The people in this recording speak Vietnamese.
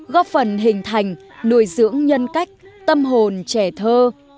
góp phần hình thành nuôi dưỡng nhân cách tâm hồn trẻ thơ